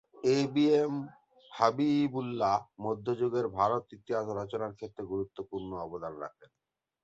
এ B M Habibullah মধ্যযুগের ভারতের ইতিহাস রচনার ক্ষেত্রে গুরুত্বপূর্ণ অবদান রাখেন।